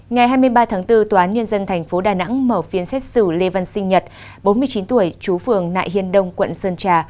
ngày hai mươi ba tháng bốn tòa án nhân dân tp đà nẵng mở phiên xét xử lê văn sinh nhật bốn mươi chín tuổi chú phường nại hiên đông quận sơn trà